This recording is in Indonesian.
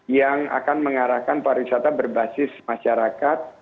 yang akan mengarahkan pariwisata berbasis masyarakat